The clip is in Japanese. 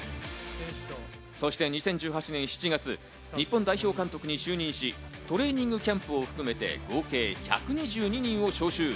そして２０１８年の７月、日本代表監督に就任し、トレーニングキャンプを含めて合計１２２人を招集。